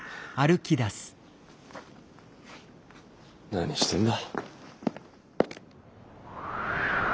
何してんだ。